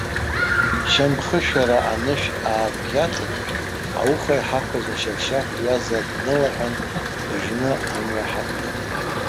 Шьамхышәара анышә аарыбӷьаҭын, ауха иҳақәыз ашьаршьаф ҩаза днылаҳәан дыжны амҩа ҳақәлеит.